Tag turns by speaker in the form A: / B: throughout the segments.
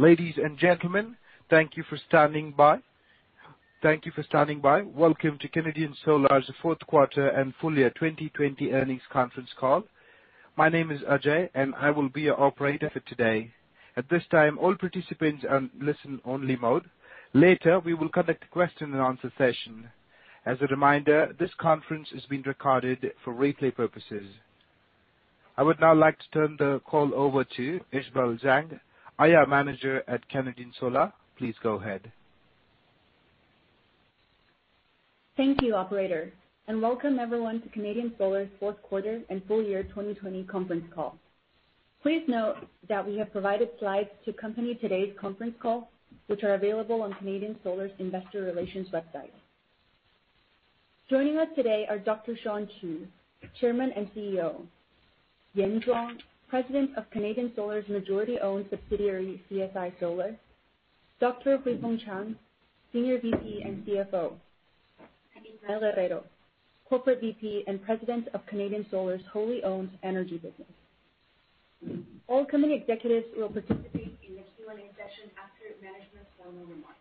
A: Ladies and gentlemen, thank you for standing by. Thank you for standing by. Welcome to Canadian Solar's fourth quarter and full year 2020 earnings conference call. My name is Ajay, and I will be your operator for today. At this time, all participants are in listen-only mode. Later, we will conduct a question-and-answer session. As a reminder, this conference is being recorded for replay purposes. I would now like to turn the call over to Isabel Zhang, IR Manager at Canadian Solar. Please go ahead.
B: Thank you, Operator, and welcome everyone to Canadian Solar's fourth quarter and full year 2020 conference call. Please note that we have provided slides to accompany today's conference call, which are available on Canadian Solar's investor relations website. Joining us today are Dr. Shawn Qu, Chairman and CEO, Yan Zhuang, President of Canadian Solar's majority-owned subsidiary, CSI Solar, Dr. Huifeng Chang, Senior VP and CFO, Ismael Guerrero, Corporate VP and President of Canadian Solar's wholly-owned energy business. All coming executives will participate in the Q&A session after management's formal remarks.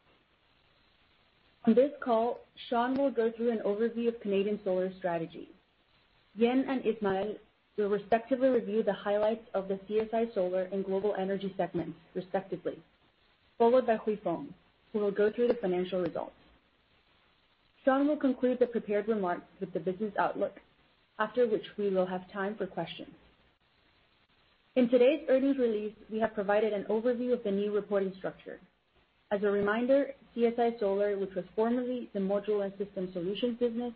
B: On this call, Shawn will go through an overview of Canadian Solar's strategy. Yan and Ismael will respectively review the highlights of the CSI Solar and global energy segments, respectively, followed by Huifeng, who will go through the financial results. Shawn will conclude the prepared remarks with the business outlook, after which we will have time for questions. In today's earnings release, we have provided an overview of the new reporting structure. As a reminder, CSI Solar, which was formerly the modular system solutions business,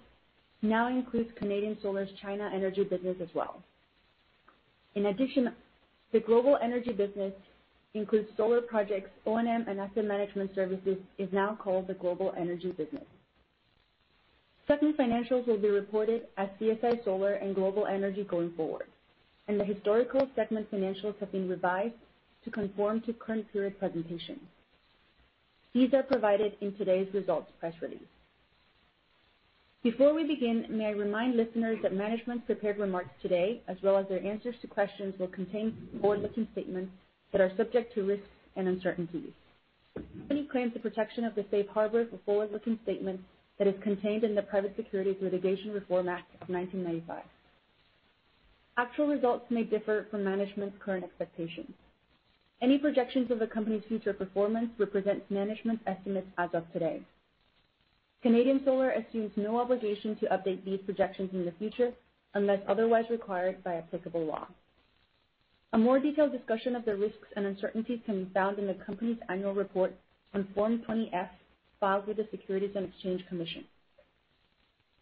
B: now includes Canadian Solar's China energy business as well. In addition, the global energy business includes solar projects. O&M and asset management services is now called the global energy business. Segment financials will be reported as CSI Solar and global energy going forward, and the historical segment financials have been revised to conform to current period presentation. These are provided in today's results press release. Before we begin, may I remind listeners that management's prepared remarks today, as well as their answers to questions, will contain forward-looking statements that are subject to risks and uncertainties. Any claims to protection of the safe harbor for forward-looking statements that is contained in the Private Securities Litigation Reform Act of 1995. Actual results may differ from management's current expectations. Any projections of the company's future performance represent management's estimates as of today. Canadian Solar assumes no obligation to update these projections in the future unless otherwise required by applicable law. A more detailed discussion of the risks and uncertainties can be found in the company's annual report on Form 20-F filed with the Securities and Exchange Commission.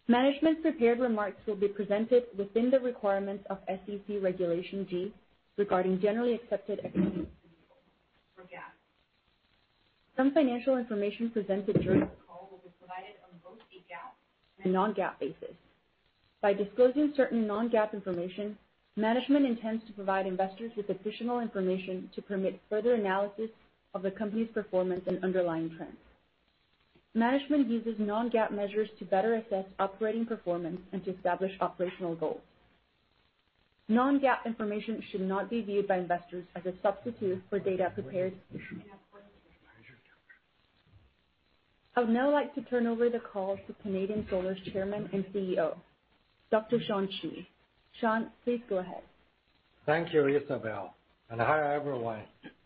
B: Management's prepared remarks will be presented within the requirements of SEC Regulation G regarding generally accepted equities. Some financial information presented during the call will be provided on both the GAAP and non-GAAP basis. By disclosing certain non-GAAP information, management intends to provide investors with additional information to permit further analysis of the company's performance and underlying trends. Management uses non-GAAP measures to better assess operating performance and to establish operational goals. Non-GAAP information should not be viewed by investors as a substitute for data prepared. I would now like to turn over the call to Canadian Solar's Chairman and CEO, Dr. Shawn Qu. Shawn, please go ahead.
C: Thank you, Isabel, and hi everyone.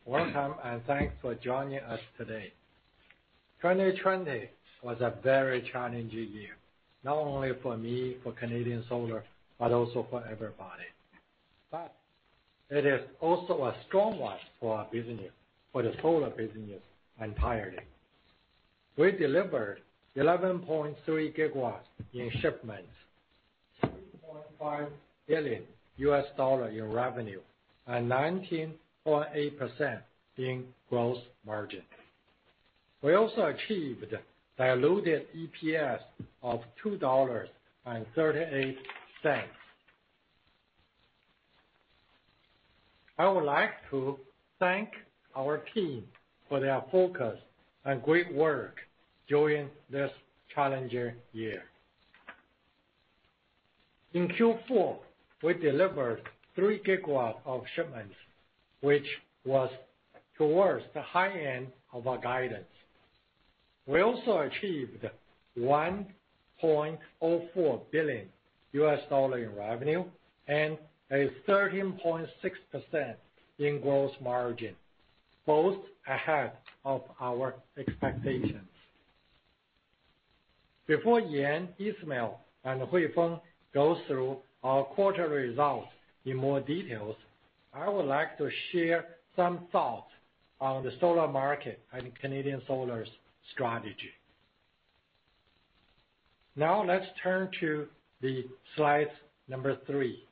C: Welcome and thanks for joining us today. 2020 was a very challenging year, not only for me, for Canadian Solar, but also for everybody. But it is also a strong one for our business, for the solar business entirely. We delivered 11.3 GW in shipments, $3.5 billion in revenue, and 19.8% in gross margin. We also achieved diluted EPS of $2.38. I would like to thank our team for their focus and great work during this challenging year. In Q4, we delivered 3 GW of shipments, which was towards the high end of our guidance. We also achieved $1.04 billion in revenue and a 13.6% in gross margin, both ahead of our expectations. Before Yan, Ismael, and Huifeng go through our quarterly results in more detail, I would like to share some thoughts on the solar market and Canadian Solar's strategy. Now let's turn to the slide number three.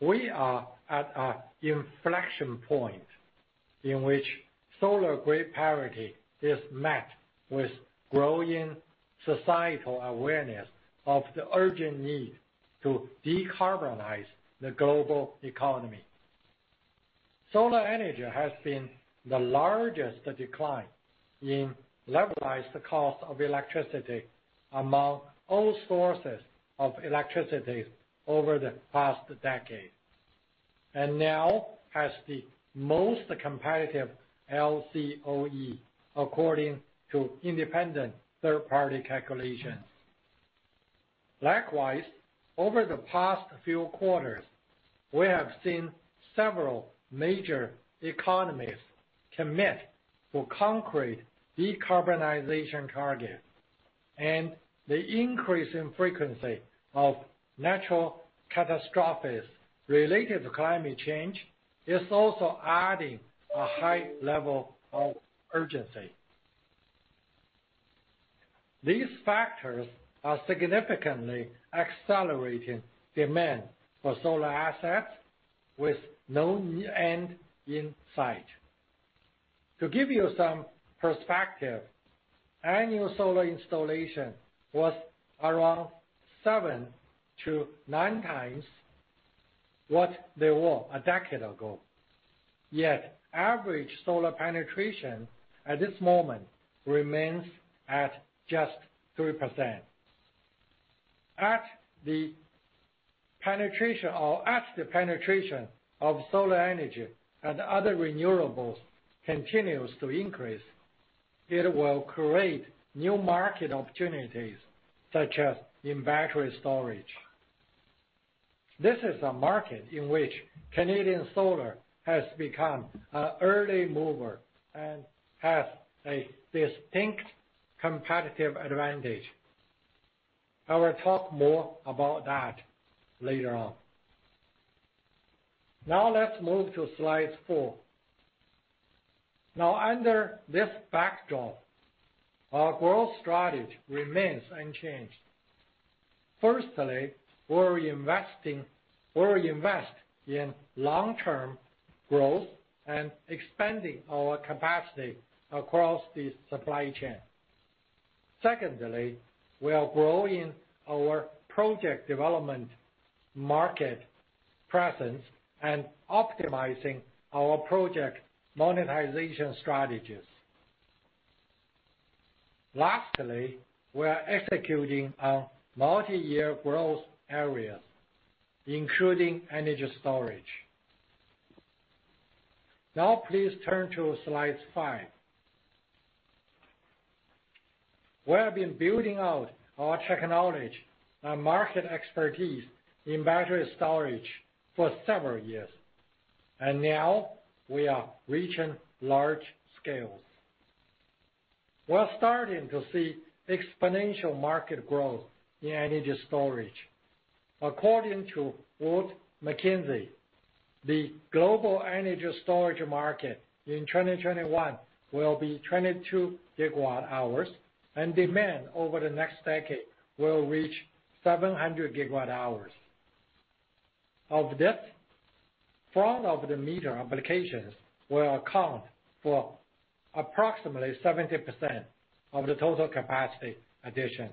C: We are at an inflection point in which solar grid parity is met with growing societal awareness of the urgent need to decarbonize the global economy. Solar energy has been the largest decline in levelized cost of electricity among all sources of electricity over the past decade, and now has the most competitive LCOE according to independent third-party calculations. Likewise, over the past few quarters, we have seen several major economies commit to concrete decarbonization targets, and the increase in frequency of natural catastrophes related to climate change is also adding a high level of urgency. These factors are significantly accelerating demand for solar assets with no end in sight. To give you some perspective, annual solar installation was around 7-9 times what they were a decade ago, yet average solar penetration at this moment remains at just 3%. At the penetration of solar energy and other renewables continues to increase, it will create new market opportunities such as in battery storage. This is a market in which Canadian Solar has become an early mover and has a distinct competitive advantage. I will talk more about that later on. Let's move to slide 4. Under this backdrop, our growth strategy remains unchanged. Firstly, we will invest in long-term growth and expanding our capacity across the supply chain. Secondly, we are growing our project development market presence and optimizing our project monetization strategies. Lastly, we are executing on multi-year growth areas, including energy storage. Please turn to slide 5. We have been building out our technology and market expertise in battery storage for several years, and now we are reaching large scales. We are starting to see exponential market growth in energy storage. According to Wood McKenzie, the global energy storage market in 2021 will be 22 GW hours, and demand over the next decade will reach 700 GW hours. Of this, front-of-the-meter applications will account for approximately 70% of the total capacity addition,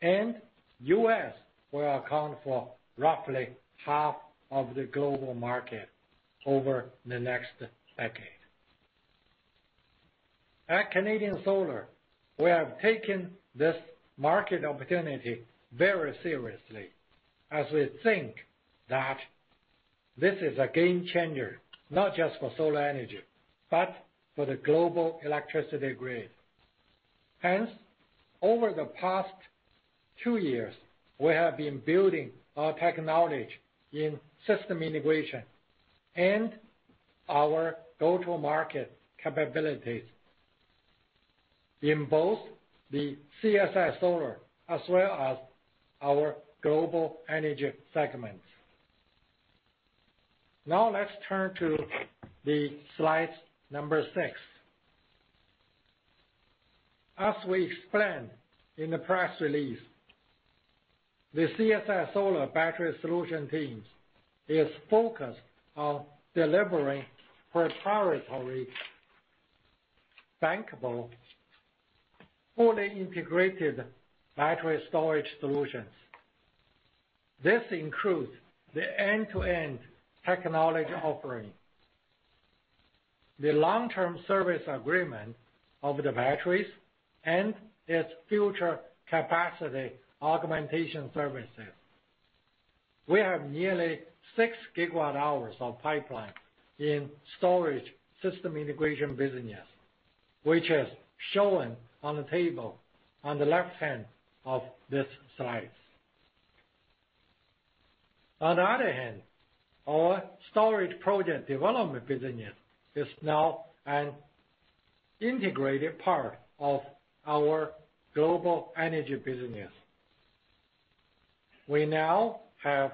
C: and U.S. will account for roughly half of the global market over the next decade. At Canadian Solar, we have taken this market opportunity very seriously as we think that this is a game changer, not just for solar energy but for the global electricity grid. Hence, over the past two years, we have been building our technology in system integration and our go-to-market capabilities in both the CSI Solar as well as our global energy segments. Now, let's turn to slide number six. As we explained in the press release, the CSI Solar battery solution team is focused on delivering proprietary bankable, fully integrated battery storage solutions. This includes the end-to-end technology offering, the long-term service agreement of the batteries, and its future capacity augmentation services. We have nearly six GW hours of pipeline in storage system integration business, which is shown on the table on the left hand of this slide. On the other hand, our storage project development business is now an integrated part of our global energy business. We now have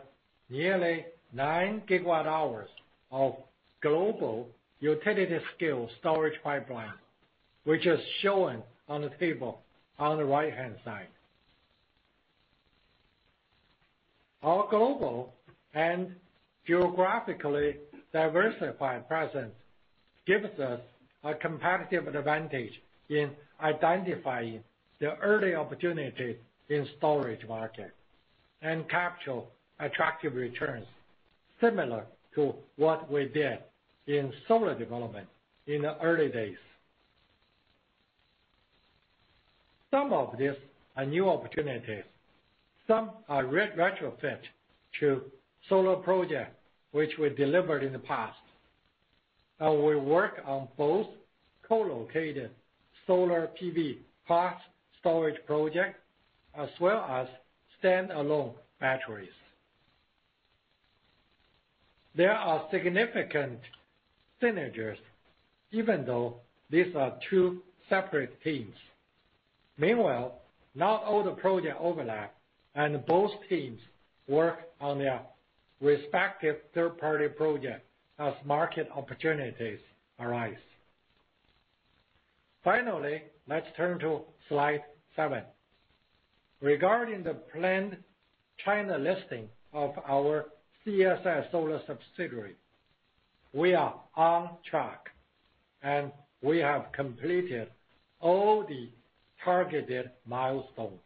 C: nearly 9 GW hours of global utility-scale storage pipeline, which is shown on the table on the right-hand side. Our global and geographically diversified presence gives us a competitive advantage in identifying the early opportunities in the storage market and capture attractive returns similar to what we did in solar development in the early days. Some of these are new opportunities. Some are retrofit to solar projects which we delivered in the past, and we work on both co-located solar PV plus storage projects as well as stand-alone batteries. There are significant synergies even though these are two separate teams. Meanwhile, not all the projects overlap, and both teams work on their respective third-party projects as market opportunities arise. Finally, let's turn to slide seven. Regarding the planned China listing of our CSI Solar subsidiary, we are on track, and we have completed all the targeted milestones.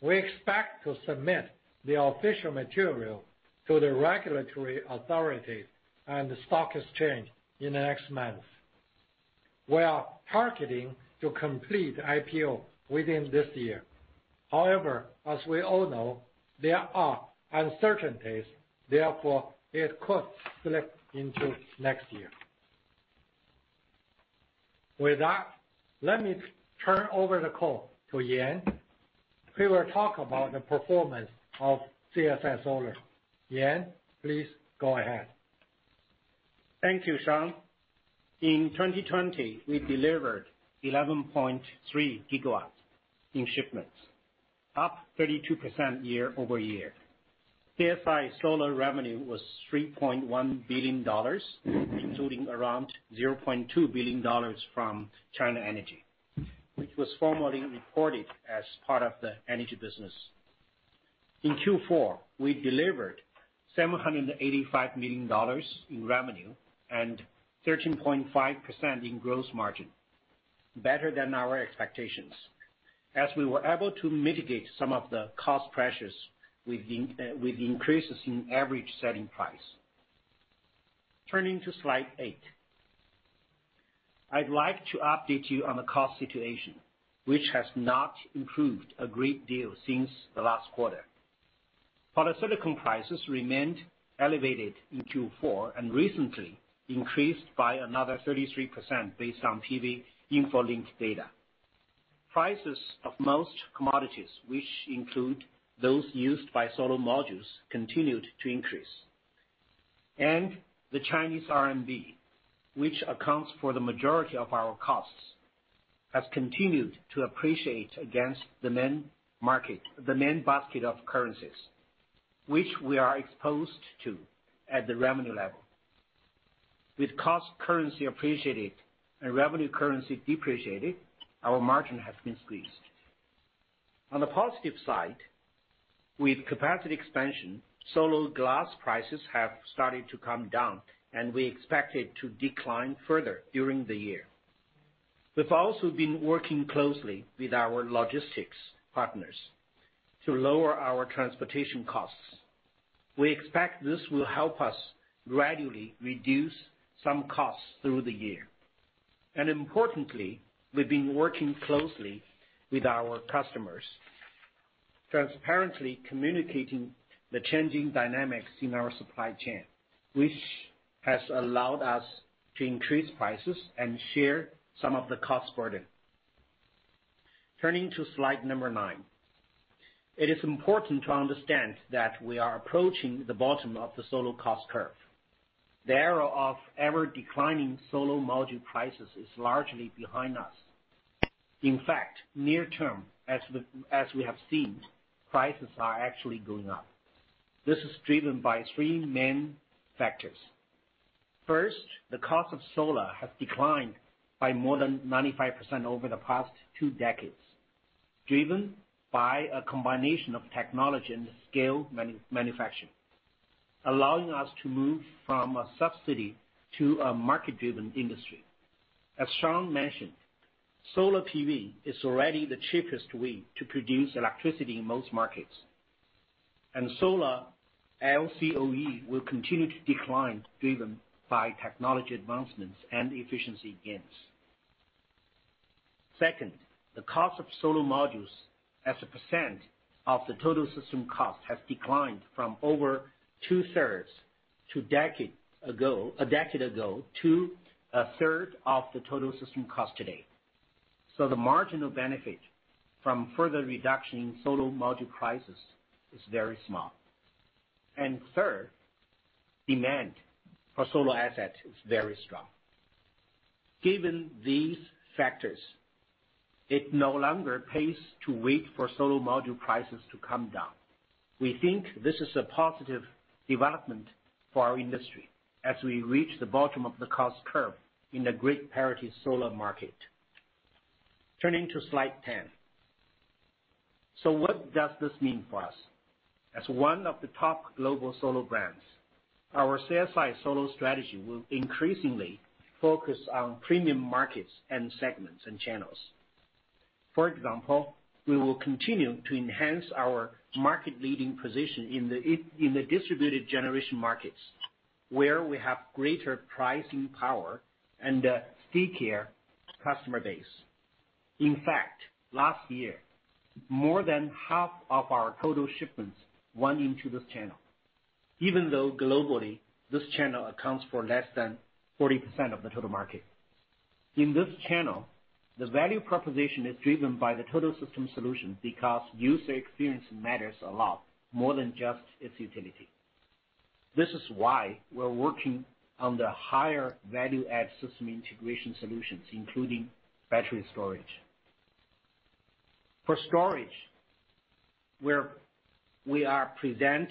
C: We expect to submit the official material to the regulatory authorities and the stock exchange in the next month. We are targeting to complete IPO within this year. However, as we all know, there are uncertainties; therefore, it could slip into next year. With that, let me turn over the call to Yan. He will talk about the performance of CSI Solar. Yan, please go ahead.
D: Thank you, Shawn. In 2020, we delivered 11.3 GW in shipments, up 32% year-over-year. CSI Solar revenue was $3.1 billion, including around $0.2 billion from China Energy, which was formally reported as part of the energy business. In Q4, we delivered $785 million in revenue and 13.5% in gross margin, better than our expectations, as we were able to mitigate some of the cost pressures with increases in average selling price. Turning to slide eight, I'd like to update you on the cost situation, which has not improved a great deal since the last quarter. Polysilicon prices remained elevated in Q4 and recently increased by another 33% based on PV InfoLink data. Prices of most commodities, which include those used by solar modules, continued to increase. The Chinese RMB, which accounts for the majority of our costs, has continued to appreciate against the main basket of currencies, which we are exposed to at the revenue level. With cost currency appreciated and revenue currency depreciated, our margin has been squeezed. On the positive side, with capacity expansion, solar glass prices have started to come down, and we expect it to decline further during the year. We've also been working closely with our logistics partners to lower our transportation costs. We expect this will help us gradually reduce some costs through the year. Importantly, we've been working closely with our customers, transparently communicating the changing dynamics in our supply chain, which has allowed us to increase prices and share some of the cost burden. Turning to slide number nine, it is important to understand that we are approaching the bottom of the solar cost curve. The era of ever-declining solar module prices is largely behind us. In fact, near term, as we have seen, prices are actually going up. This is driven by three main factors. First, the cost of solar has declined by more than 95% over the past two decades, driven by a combination of technology and scale manufacturing, allowing us to move from a subsidy to a market-driven industry. As Shawn mentioned, solar PV is already the cheapest way to produce electricity in most markets, and solar LCOE will continue to decline, driven by technology advancements and efficiency gains. Second, the cost of solar modules as a percent of the total system cost has declined from over two-thirds a decade ago to a third of the total system cost today. So the marginal benefit from further reduction in solar module prices is very small. And third, demand for solar assets is very strong. Given these factors, it no longer pays to wait for solar module prices to come down. We think this is a positive development for our industry as we reach the bottom of the cost curve in the grid-parity solar market. Turning to slide 10. So what does this mean for us? As one of the top global solar brands, our CSI Solar strategy will increasingly focus on premium markets and segments and channels. For example, we will continue to enhance our market-leading position in the distributed generation markets, where we have greater pricing power and a steadier customer base. In fact, last year, more than half of our total shipments went into this channel, even though globally this channel accounts for less than 40% of the total market. In this channel, the value proposition is driven by the total system solution because user experience matters a lot more than just its utility. This is why we're working on the higher value-add system integration solutions, including battery storage. For storage, where we are present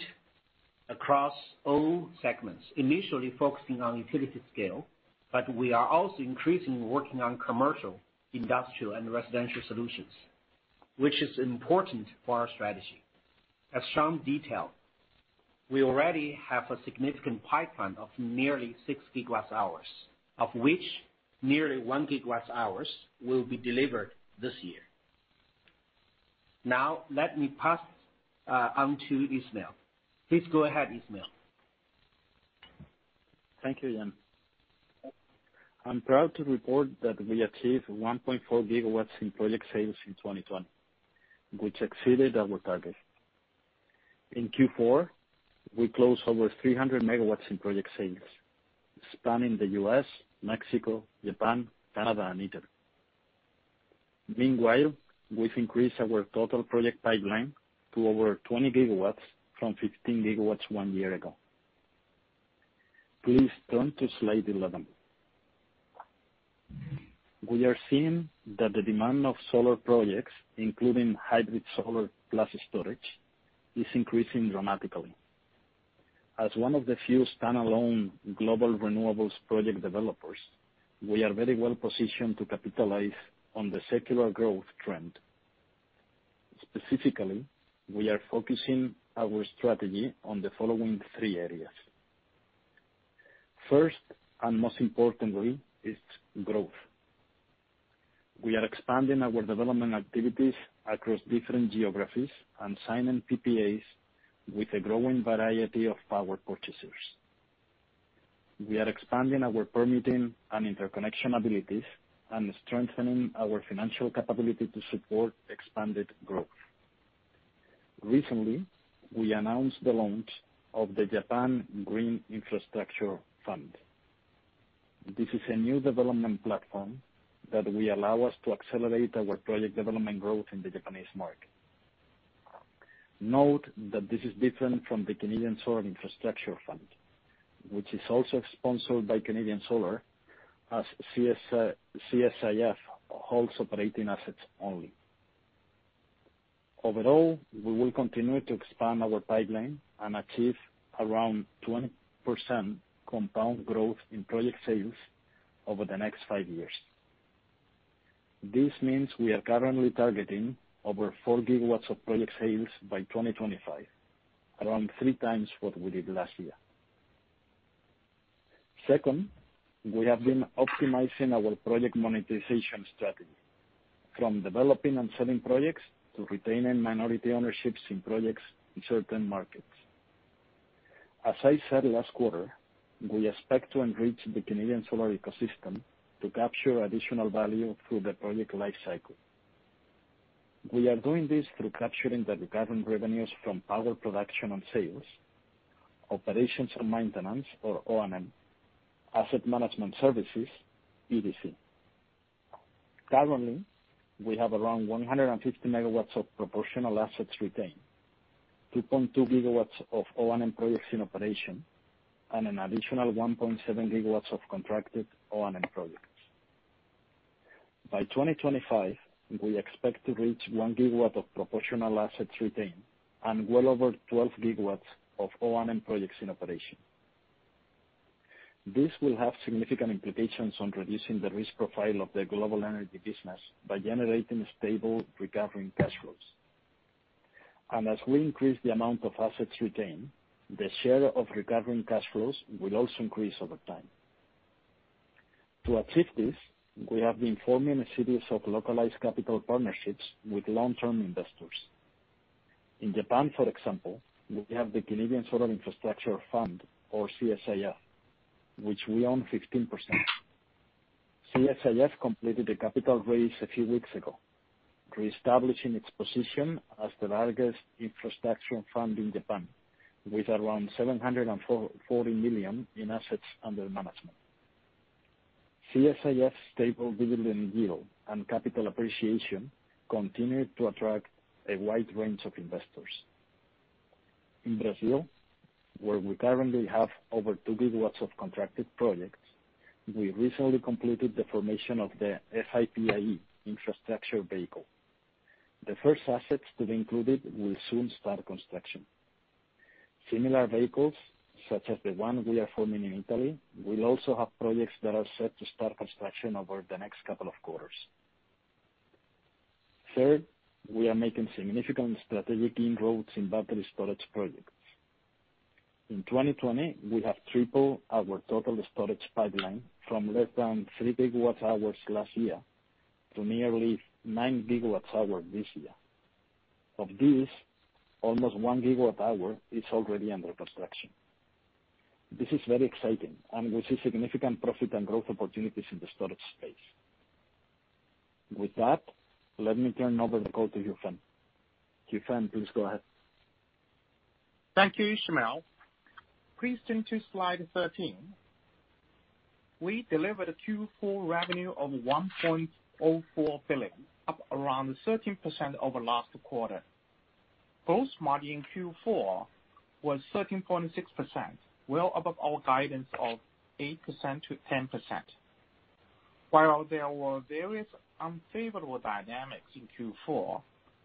D: across all segments, initially focusing on utility scale, but we are also increasingly working on commercial, industrial, and residential solutions, which is important for our strategy. As Shawn detailed, we already have a significant pipeline of nearly 6 GW hours, of which nearly 1 GW hours will be delivered this year. Now, let me pass on to Ismael. Please go ahead, Ismael.
E: Thank you, Yan. I'm proud to report that we achieved 1.4 GW in project sales in 2020, which exceeded our target. In Q4, we closed over 300 MWs in project sales, spanning the U.S., Mexico, Japan, Canada, and Italy. Meanwhile, we've increased our total project pipeline to over 20 GW from 15 GW one year ago. Please turn to slide 11. We are seeing that the demand of solar projects, including hybrid solar plus storage, is increasing dramatically. As one of the few stand-alone global renewables project developers, we are very well positioned to capitalize on the circular growth trend. Specifically, we are focusing our strategy on the following three areas. First and most importantly, it's growth. We are expanding our development activities across different geographies and sign-in PPAs with a growing variety of power purchasers. We are expanding our permitting and interconnection abilities and strengthening our financial capability to support expanded growth. Recently, we announced the launch of the Japan Green Infrastructure Fund. This is a new development platform that will allow us to accelerate our project development growth in the Japanese market. Note that this is different from the Canadian Solar Infrastructure Fund, which is also sponsored by Canadian Solar as CSIF holds operating assets only. Overall, we will continue to expand our pipeline and achieve around 20% compound growth in project sales over the next five years. This means we are currently targeting over 4 GW of project sales by 2025, around three times what we did last year. Second, we have been optimizing our project monetization strategy, from developing and selling projects to retaining minority ownerships in projects in certain markets. As I said last quarter, we expect to enrich the Canadian solar ecosystem to capture additional value through the project lifecycle. We are doing this through capturing the recurring revenues from power production and sales, operations and maintenance, or O&M, asset management services, EDC. Currently, we have around 150 MWs of proportional assets retained, 2.2 GW of O&M projects in operation, and an additional 1.7 GW of contracted O&M projects. By 2025, we expect to reach 1 GW of proportional assets retained and well over 12 GW of O&M projects in operation. This will have significant implications on reducing the risk profile of the global energy business by generating stable recovering cash flows. And as we increase the amount of assets retained, the share of recovering cash flows will also increase over time. To achieve this, we have been forming a series of localized capital partnerships with long-term investors. In Japan, for example, we have the Canadian Solar Infrastructure Fund, or CSIF, which we own 15%. CSIF completed a capital raise a few weeks ago, reestablishing its position as the largest infrastructure fund in Japan, with around 740 million in assets under management. CSIF's stable dividend yield and capital appreciation continue to attract a wide range of investors. In Brazil, where we currently have over 2 GW of contracted projects, we recently completed the formation of the FIP-IE Infrastructure Vehicle. The first assets to be included will soon start construction. Similar vehicles, such as the one we are forming in Italy, will also have projects that are set to start construction over the next couple of quarters. Third, we are making significant strategic inroads in battery storage projects. In 2020, we have tripled our total storage pipeline from less than 3 GW hours last year to nearly 9 GW hours this year. Of these, almost 1 GW hour is already under construction. This is very exciting, and we see significant profit and growth opportunities in the storage space. With that, let me turn over the call to Huifeng. Huifeng, please go ahead.
F: Thank you, Ismael. Please turn to slide 13. We delivered a Q4 revenue of 1.04 billion, up around 13% over last quarter. Gross margin Q4 was 13.6%, well above our guidance of 8%-10%. While there were various unfavorable dynamics in Q4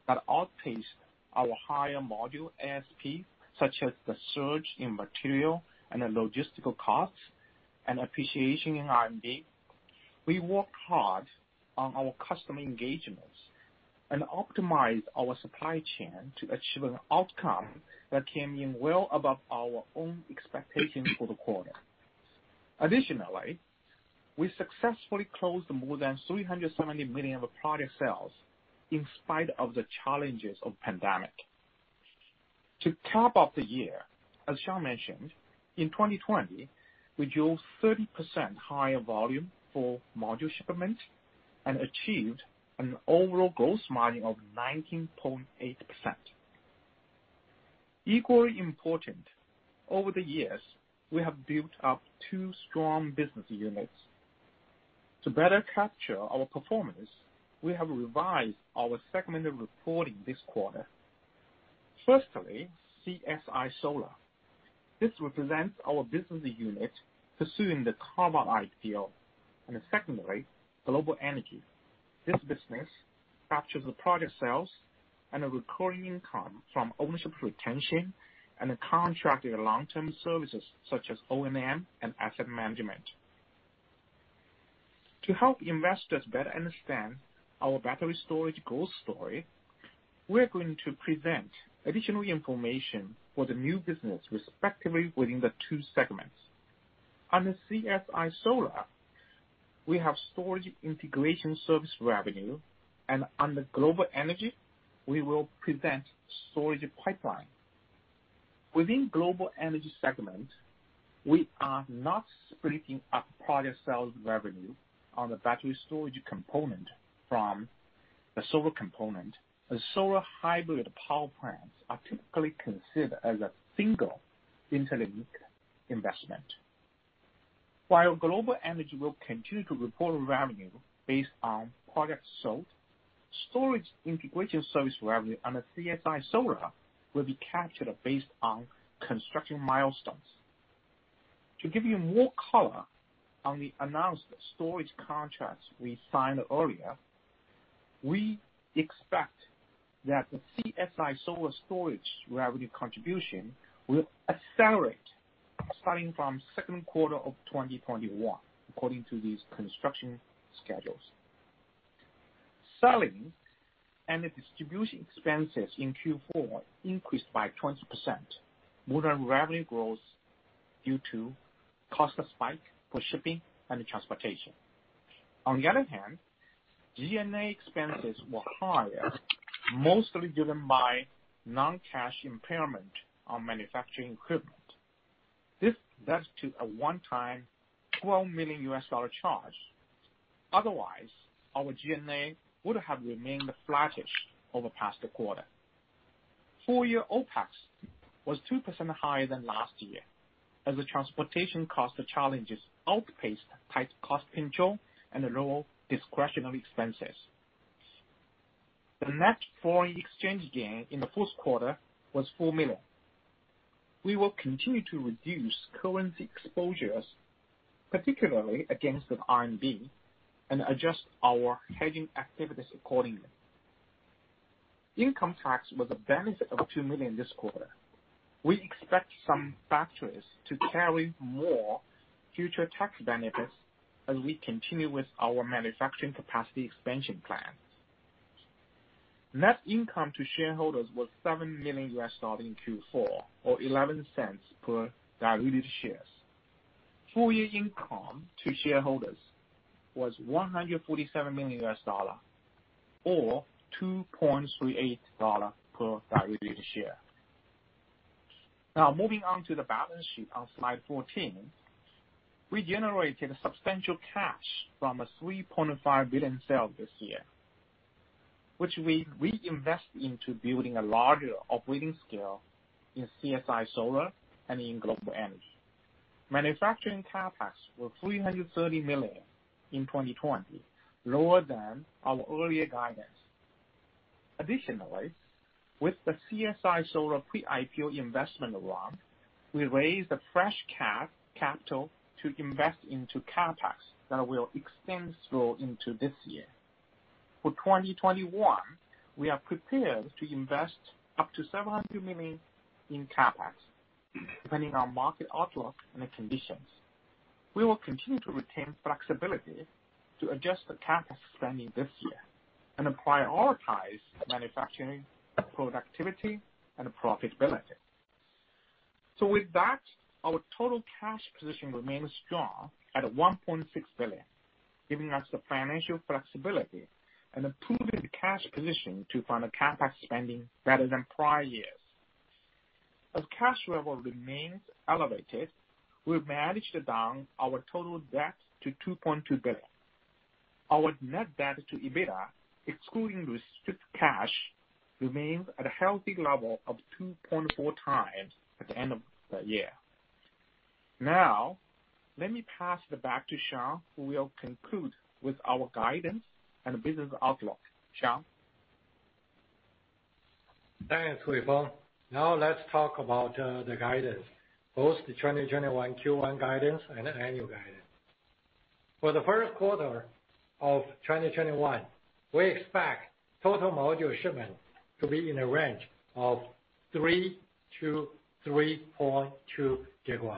F: that outpaced our higher module ASP, such as the surge in material and logistical costs and appreciation in R&D, we worked hard on our customer engagements and optimized our supply chain to achieve an outcome that came in well above our own expectations for the quarter. Additionally, we successfully closed more than 370 million of product sales in spite of the challenges of the pandemic. To cap off the year, as Shawn mentioned, in 2020, we drove 30% higher volume for module shipment and achieved an overall gross margin of 19.8%. Equally important, over the years, we have built up two strong business units. To better capture our performance, we have revised our segmented reporting this quarter. Firstly, CSI Solar. This represents our business unit pursuing the carbon ideal. And secondly, Global Energy. This business captures the project sales and recurring income from ownership retention and contracted long-term services such as O&M and asset management. To help investors better understand our battery storage growth story, we're going to present additional information for the new business, respectively within the two segments. Under CSI Solar, we have storage integration service revenue. And under Global Energy, we will present storage pipeline. Within the global energy segment, we are not splitting up project sales revenue on the battery storage component from the solar component. The solar hybrid power plants are typically considered as a single interlinked investment. While global energy will continue to report revenue based on projects sold, storage integration service revenue under CSI Solar will be captured based on construction milestones. To give you more color on the announced storage contracts we signed earlier, we expect that the CSI Solar storage revenue contribution will accelerate starting from the second quarter of 2021, according to these construction schedules. Selling and distribution expenses in Q4 increased by 20%, more than revenue growth due to cost spike for shipping and transportation. On the other hand, G&A expenses were higher, mostly driven by non-cash impairment on manufacturing equipment. This led to a one-time $12 million charge. Otherwise, our G&A would have remained flattish over the past quarter. Full-year OPEX was 2% higher than last year as the transportation cost challenges outpaced tight cost control and low discretionary expenses. The net foreign exchange gain in the first quarter was 4 million. We will continue to reduce currency exposures, particularly against the R&D, and adjust our hedging activities accordingly. Income tax was a benefit of $2 million this quarter. We expect some factories to carry more future tax benefits as we continue with our manufacturing capacity expansion plan. Net income to shareholders was $7 million in Q4, or 11 cents per diluted shares. Full-year income to shareholders was $147 million, or $2.38 per diluted share. Now, moving on to the balance sheet on slide 14, we generated substantial cash from a $3.5 billion sale this year, which we reinvested into building a larger operating scale in CSI Solar and in global energy. Manufacturing CapEx was $330 million in 2020, lower than our earlier guidance. Additionally, with the CSI Solar pre-IPO investment round, we raised a fresh cap capital to invest into CapEx that will extend through into this year. For 2021, we are prepared to invest up to $700 million in CapEx, depending on market outlook and conditions. We will continue to retain flexibility to adjust the CapEx spending this year and prioritize manufacturing productivity and profitability. So with that, our total cash position remains strong at $1.6 billion, giving us the financial flexibility and improving the cash position to find a CapEx spending better than prior years. As cash level remains elevated, we've managed to down our total debt to $2.2 billion. Our net debt to EBITDA, excluding the restricted cash, remains at a healthy level of 2.4 times at the end of the year. Now, let me pass it back to Shawn, who will conclude with our guidance and business outlook. Shawn.
C: Thanks, Huifeng. Now, let's talk about the guidance, both the 2021 Q1 guidance and the annual guidance. For the first quarter of 2021, we expect total module shipment to be in a range of 3 GW-3.2 GW,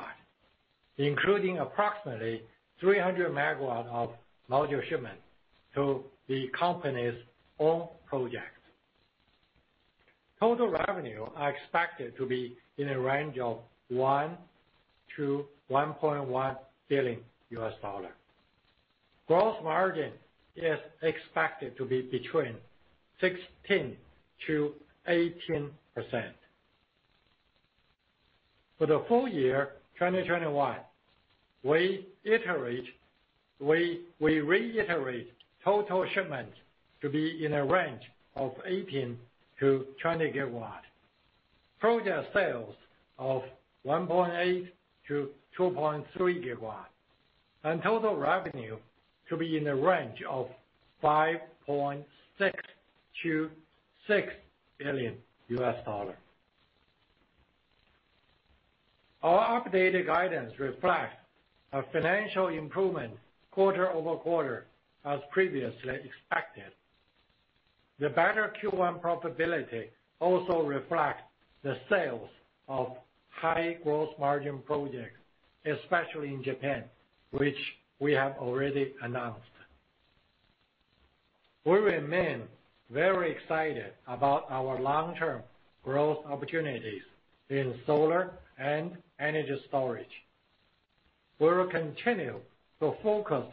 C: including approximately 300 MW of module shipment to the company's own projects. Total revenue is expected to be in a range of $1 billion-$1.1 billion. Gross margin is expected to be between 16%-18%. For the full year 2021, we reiterate total shipment to be in a range of 18 GW-20 GW, project sales of 1.8 GW-2.3 GW, and total revenue to be in a range of $5.6 billion-$6 billion. Our updated guidance reflects a financial improvement quarter over quarter, as previously expected. The better Q1 profitability also reflects the sales of high gross margin projects, especially in Japan, which we have already announced. We remain very excited about our long-term growth opportunities in solar and energy storage. We will continue to focus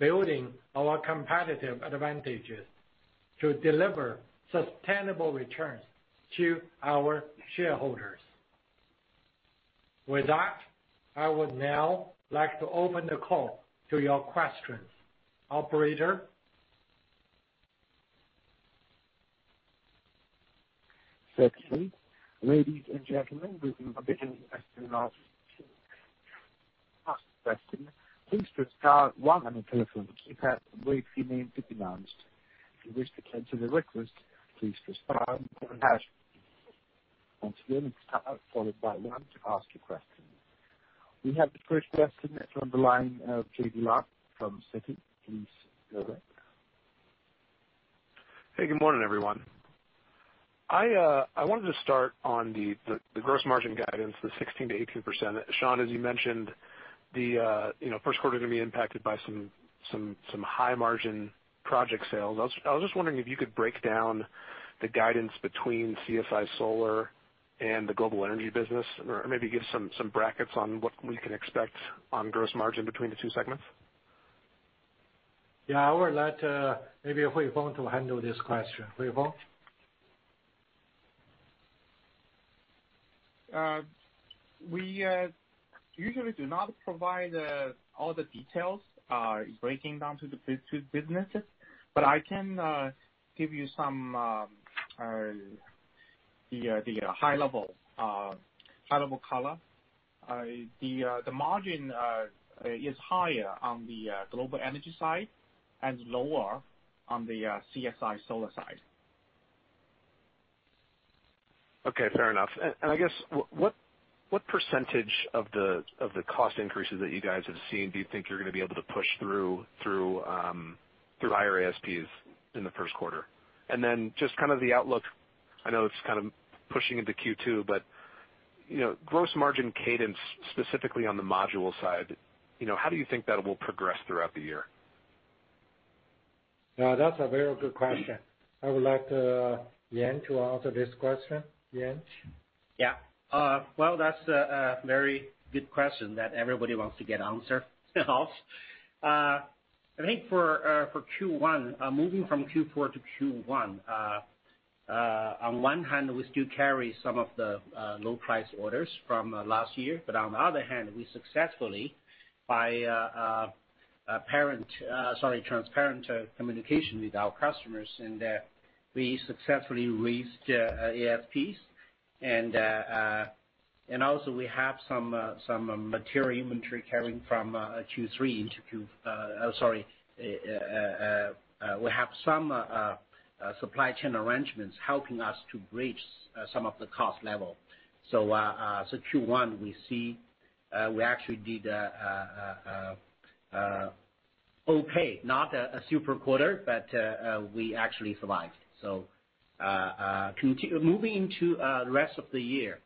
C: on building our competitive advantages to deliver sustainable returns to our shareholders. With that, I would now like to open the call to your questions, operator.
A: Thank you, ladies and gentlemen. We will begin the question and answer session. Please respond one at a time if you have a rate you need to be announced. If you wish to attend to the request, please respond one at a time. Once again, it's Todd followed by Wen to ask your question. We have the first question from the line of JD Lock from Citi. Please go ahead.
G: Hey, good morning, everyone. I wanted to start on the gross margin guidance, the 16%-18%. Shawn, as you mentioned, the first quarter is going to be impacted by some high margin project sales. I was just wondering if you could break down the guidance between CSI Solar and the global energy business, or maybe give some brackets on what we can expect on gross margin between the two segments.
C: Yeah, I will let maybe Huifeng to handle this question. Huifeng?
F: We usually do not provide all the details breaking down to the businesses, but I can give you some high-level color. The margin is higher on the global energy side and lower on the CSI Solar side.
G: Okay, fair enough. And I guess, what percentage of the cost increases that you guys have seen do you think you're going to be able to push through higher ASPs in the first quarter? And then just kind of the outlook, I know it's kind of pushing into Q2, but gross margin cadence, specifically on the module side, how do you think that will progress throughout the year?
C: That's a very good question. I would like Yan to answer this question. Yan?
D: Yeah. Well, that's a very good question that everybody wants to get answered off. I think for Q1, moving from Q4 to Q1, on one hand, we still carry some of the low-price orders from last year. But on the other hand, we successfully, by transparent communication with our customers, and we successfully raised ASPs. And also, we have some material inventory carrying from Q3 into Q sorry, we have some supply chain arrangements helping us to bridge some of the cost level. So Q1, we see we actually did okay, not a super quarter, but we actually survived. So moving into the rest of the year,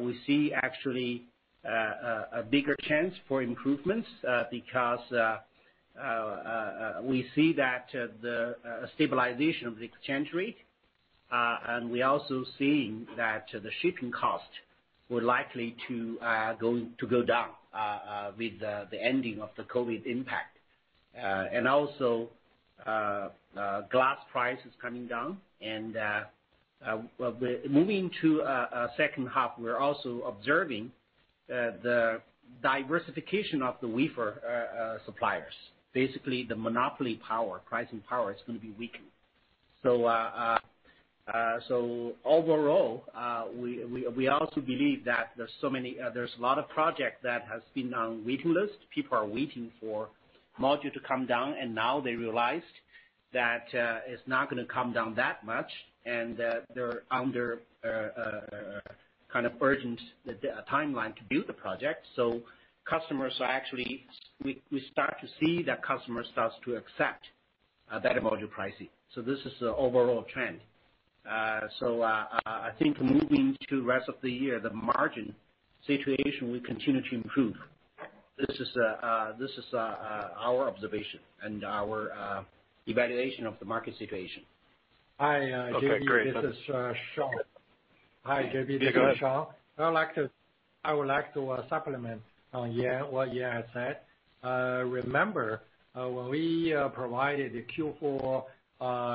D: we see actually a bigger chance for improvements because we see that the stabilization of the exchange rate, and we're also seeing that the shipping costs were likely to go down with the ending of the COVID impact. And also, glass prices coming down. And moving to the second half, we're also observing the diversification of the wafer suppliers. Basically, the monopoly power, pricing power, is going to be weakened. So overall, we also believe that there's a lot of projects that have been on waiting list. People are waiting for module to come down, and now they realized that it's not going to come down that much, and they're under kind of urgent timeline to build the project. So customers are actually we start to see that customers start to accept better module pricing. So this is the overall trend. So I think moving to the rest of the year, the margin situation will continue to improve. This is our observation and our evaluation of the market situation.
C: Hi, JD. This is Shawn. Hi, JB. This is Shawn. I would like to supplement on what Yan has said. Remember, when we provided the Q4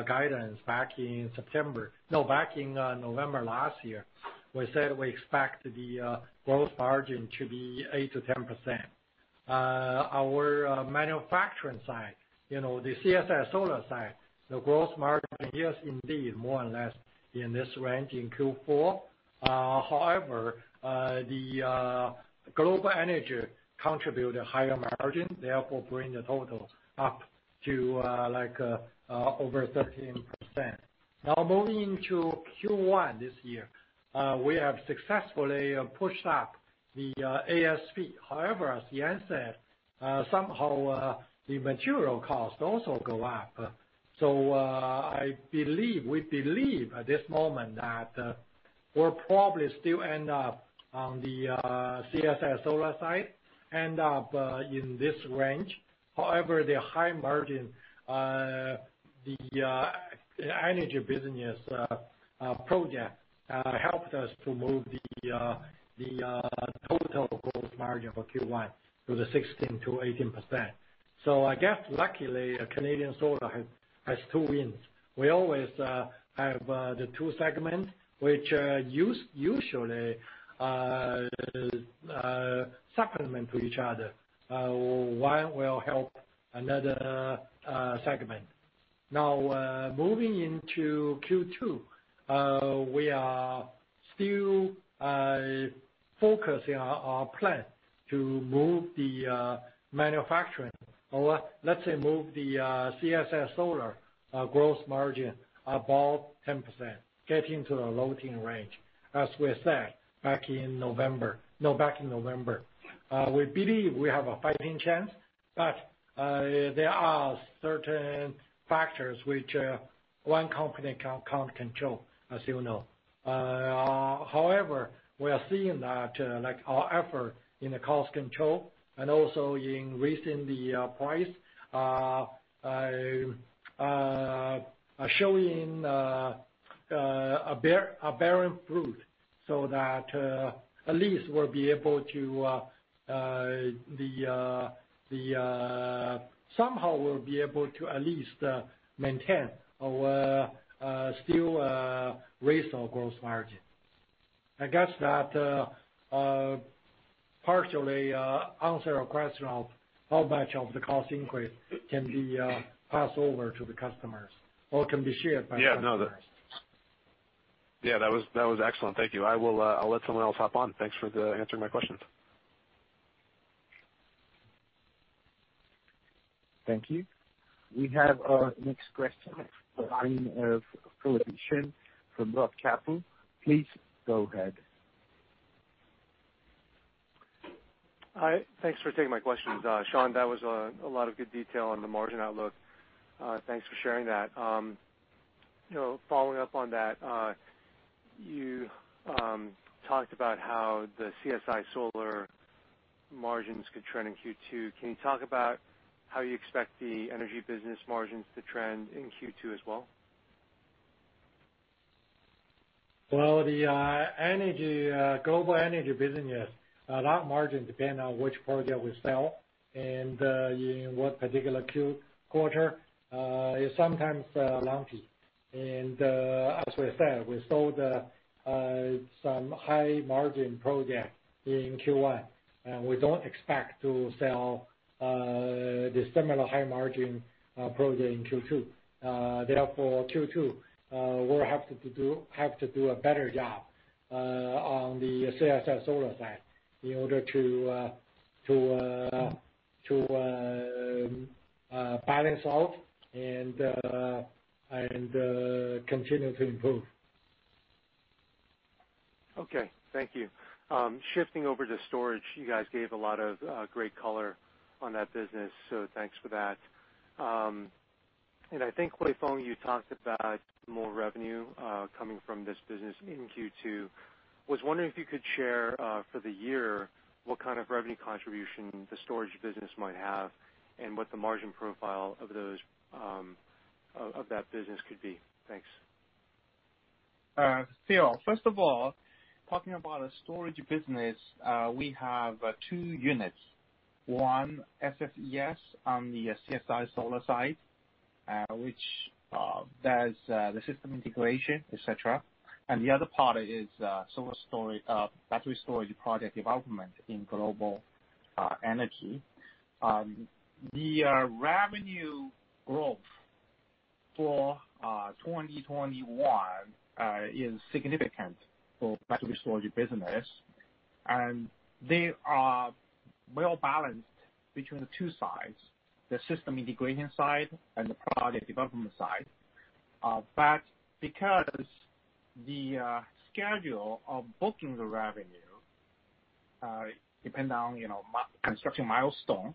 C: guidance back in September, no, back in November last year, we said we expect the gross margin to be 8%-10%. Our manufacturing side, the CSI Solar side, the gross margin is indeed more or less in this range in Q4. However, the global energy contributed higher margin, therefore bringing the total up to over 13%. Now, moving to Q1 this year, we have successfully pushed up the ASP. However, as Yan said, somehow the material costs also go up. So I believe we believe at this moment that we'll probably still end up on the CSI Solar side, end up in this range. However, the high margin, the energy business project helped us to move the total gross margin for Q1 to the 16%-18%. So I guess, luckily, Canadian Solar has two winds. We always have the two segments which usually supplement to each other. One will help another segment. Now, moving into Q2, we are still focusing on our plan to move the manufacturing, or let's say move the CSI Solar gross margin above 10%, getting to the low-team range. As we said back in November, no, back in November, we believe we have a fighting chance, but there are certain factors which one company can't control, as you know. However, we are seeing that our effort in the cost control and also in raising the price are showing a bearing fruit so that at least we'll be able to somehow we'll be able to at least maintain or still raise our gross margin. I guess that partially answered your question of how much of the cost increase can be passed over to the customers or can be shared by customers.
G: Yeah, no, that was excellent. Thank you. I'll let someone else hop on. Thanks for answering my questions.
A: Thank you. We have a next question from Rock Capital. Please go ahead.
H: Hi. Thanks for taking my questions. Shawn, that was a lot of good detail on the margin outlook. Thanks for sharing that. Following up on that, you talked about how the CSI Solar margins could trend in Q2. Can you talk about how you expect the energy business margins to trend in Q2 as well?
C: Well, the global energy business, a lot of margin depends on which project we sell and in what particular Q quarter. It's sometimes lumpy. And as we said, we sold some high margin project in Q1, and we don't expect to sell the similar high margin project in Q2. Therefore, Q2, we'll have to do a better job on the CSI Solar side in order to balance out and continue to improve.
H: Okay. Thank you. Shifting over to storage, you guys gave a lot of great color on that business, so thanks for that. And I think, Huifeng, you talked about more revenue coming from this business in Q2. I was wondering if you could share for the year what kind of revenue contribution the storage business might have and what the margin profile of that business could be. Thanks.
F: Still, first of all, talking about the storage business, we have two units. One, SSES on the CSI Solar side, which does the system integration, etc. And the other part is battery storage project development in global energy. The revenue growth for 2021 is significant for battery storage business, and they are well balanced between the two sides, the system integration side and the project development side. But because the schedule of booking the revenue depends on construction milestone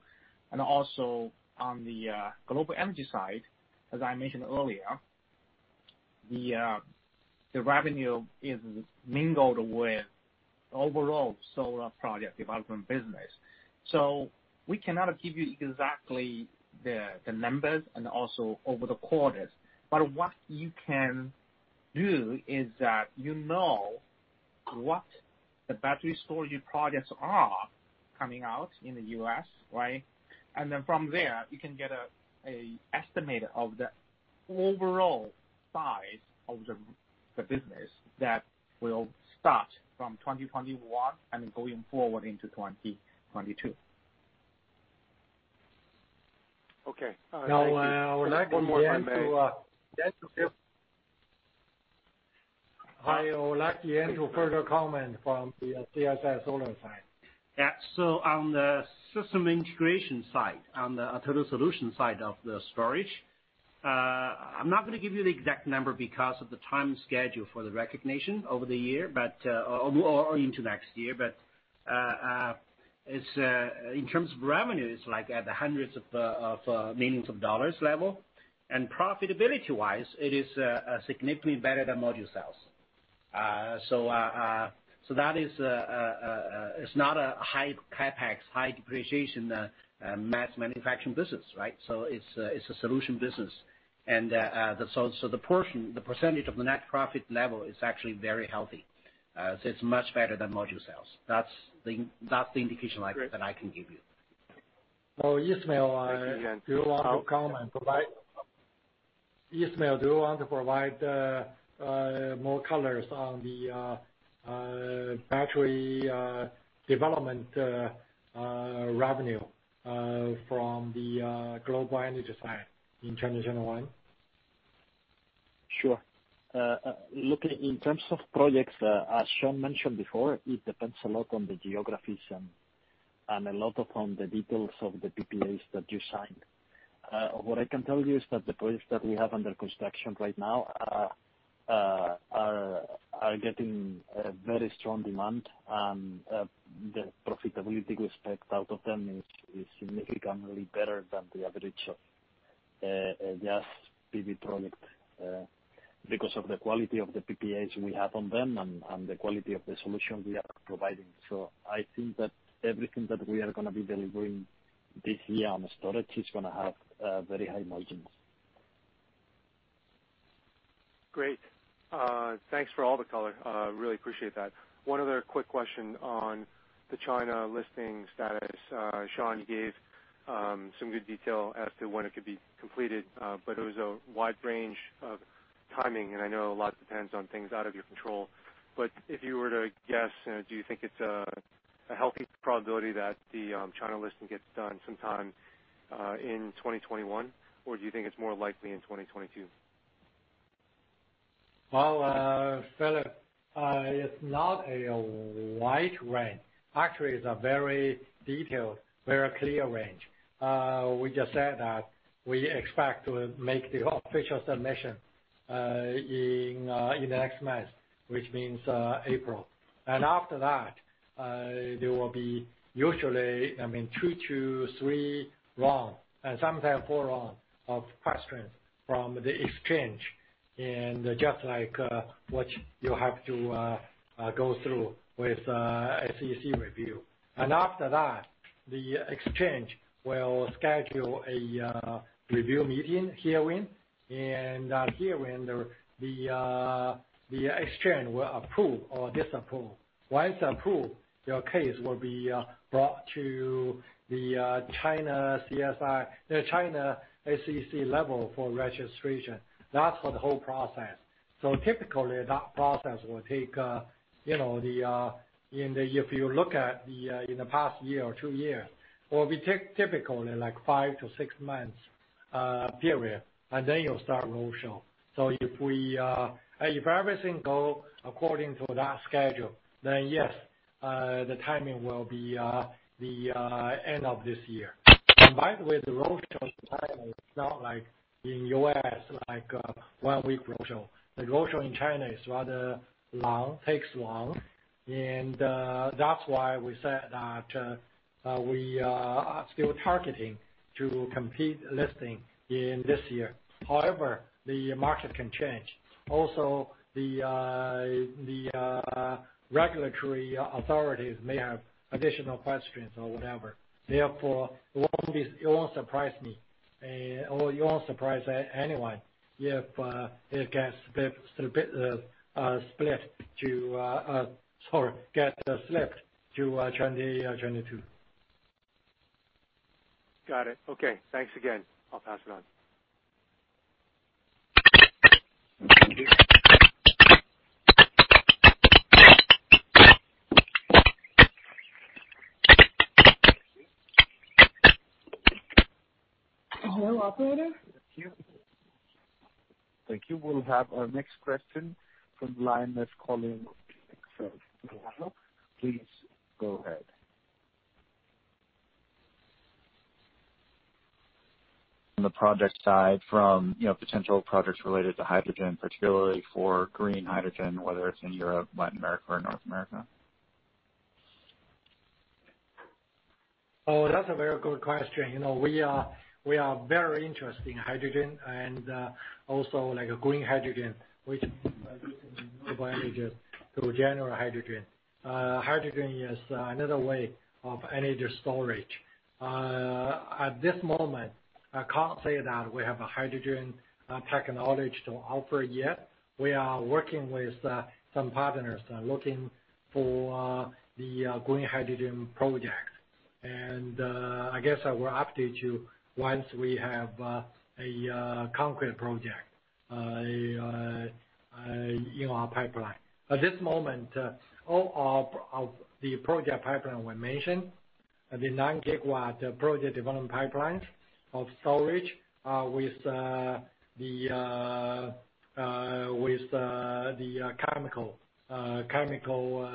F: and also on the global energy side, as I mentioned earlier, the revenue is mingled with overall solar project development business. So we cannot give you exactly the numbers and also over the quarters. But what you can do is that you know what the battery storage projects are coming out in the U.S., right? And then from there, you can get an estimate of the overall size of the business that will start from 2021 and going forward into 2022.
H: Okay. Thank you.
D: Now, one more thing.
C: I would like Yan to further comment from the CSI Solar side.
D: Yeah. So on the system integration side, on the total solution side of the storage, I'm not going to give you the exact number because of the time schedule for the recognition over the year or into next year. But in terms of revenue, it's at the hundreds of millions of dollars level. And profitability-wise, it is significantly better than module sales. So that is not a high CapEx, high depreciation mass manufacturing business, right? So it's a solution business. And so the percentage of the net profit level is actually very healthy. So it's much better than module sales. That's the indication that I can give you.
C: Well, Ismael, do you want to comment? Ismael, do you want to provide more colors on the battery development revenue from the global energy side in 2021?
E: Sure. Looking in terms of projects, as Shawn mentioned before, it depends a lot on the geographies and a lot on the details of the PPAs that you signed. What I can tell you is that the projects that we have under construction right now are getting very strong demand, and the profitability we expect out of them is significantly better than the average of just PV projects because of the quality of the PPAs we have on them and the quality of the solution we are providing. So I think that everything that we are going to be delivering this year on the storage is going to have very high margins.
H: Great. Thanks for all the color. Really appreciate that. One other quick question on the China listing status. Shawn gave some good detail as to when it could be completed, but it was a wide range of timing, and I know a lot depends on things out of your control. But if you were to guess, do you think it's a healthy probability that the China listing gets done sometime in 2021, or do you think it's more likely in 2022?
C: Well, Philip, it's not a wide range. Actually, it's a very detailed, very clear range. We just said that we expect to make the official submission in the next month, which means April. And after that, there will be usually, I mean, two to three rounds, and sometimes four rounds of questions from the exchange, and just like what you have to go through with SEC review. And after that, the exchange will schedule a review meeting, hearing, and hearing the exchange will approve or disapprove. Once approved, your case will be brought to the China SEC level for registration. That's for the whole process. So typically, that process will take the if you look at the in the past year or two years, well, we take typically like five to six months period, and then you'll start roadshow. So if everything goes according to that schedule, then yes, the timing will be the end of this year. And by the way, the roadshow in China is not like in the U.S., like one-week roadshow. The roadshow in China is rather long, takes long. And that's why we said that we are still targeting to complete listing in this year. However, the market can change. Also, the regulatory authorities may have additional questions or whatever. Therefore, it won't surprise me or it won't surprise anyone if it gets split to sorry, gets slipped to 2022.
H: Got it. Okay. Thanks again. I'll pass it on.
B: Hello, operator.
A: Thank you. Thank you. We'll have our next question from the line that's calling. Please go ahead.
I: On the project side from potential projects related to hydrogen, particularly for green hydrogen, whether it's in Europe, Latin America, or North America?
C: Oh, that's a very good question. We are very interested in hydrogen and also green hydrogen, which is global energy to general hydrogen. Hydrogen is another way of energy storage. At this moment, I can't say that we have a hydrogen technology to offer yet. We are working with some partners and looking for the green hydrogen project. And I guess we're up to once we have a concrete project in our pipeline. At this moment, all of the project pipeline we mentioned, the 9 GW project development pipelines of storage with the chemical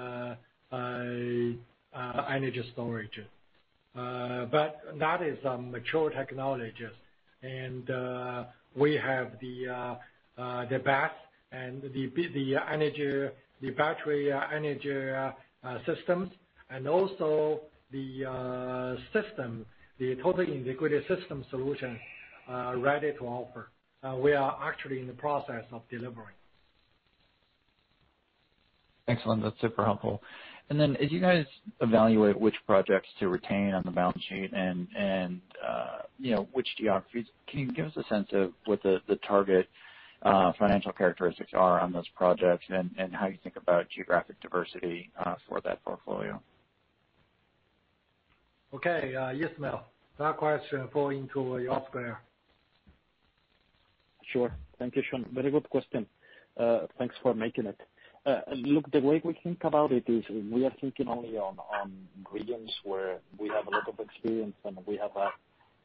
C: energy storage. But that is a mature technology. And we have the best and the battery energy systems and also the system, the total integrated system solution ready to offer. We are actually in the process of delivering.
I: Excellent. That's super helpful. And then as you guys evaluate which projects to retain on the balance sheet and which geographies, can you give us a sense of what the target financial characteristics are on those projects and how you think about geographic diversity for that portfolio?
C: Okay. Ismael, that question fall into your square.
E: Sure. Thank you, Shawn. Very good question. Thanks for making it. Look, the way we think about it is we are thinking only on regions where we have a lot of experience and we have that